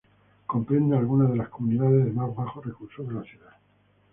Comprende algunas de las comunidades de más bajos recursos de la ciudad.